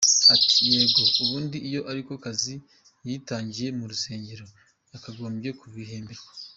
Ati “Yego ubundi, iyo ariko kazi yitangiye mu rusengero yakagombye kubihemberwa.